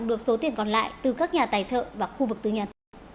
được số tiền còn lại từ các nhà tài trợ và khu vực tư nhân